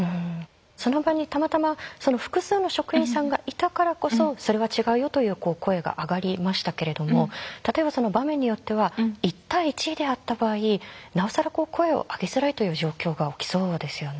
その場にたまたま複数の職員さんがいたからこそそれは違うよという声が上がりましたけれども例えばその場面によっては１対１であった場合なおさら声を上げづらいという状況が起きそうですよね。